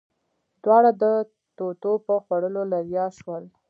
دواړه د توتو په خوړلو لګيا شول.